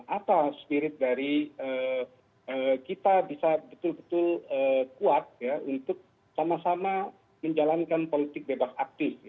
apa spirit dari kita bisa betul betul kuat untuk sama sama menjalankan politik bebas aktif